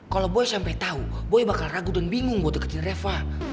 kalau boy sampe tau boy bakal ragu dan bingung buat deketin reva